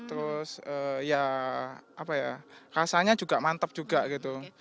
terus ya apa ya rasanya juga mantep juga gitu